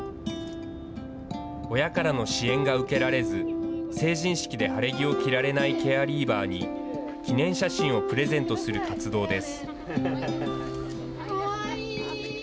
親からの支援が受けられず、成人式で晴れ着を着られないケアリーバーに、記念写真をプレゼントする活動です。